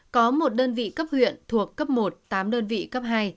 có một đơn vị cấp huyện thuộc cấp một tám đơn vị cấp hai